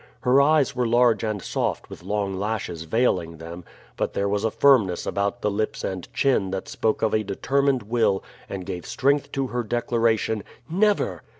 Her eyes were large and soft, with long lashes veiling them, but there was a firmness about the lips and chin that spoke of a determined will, and gave strength to her declaration "Never."